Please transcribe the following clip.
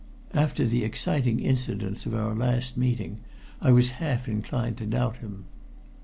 After the exciting incidents of our last meeting, I was half inclined to doubt him.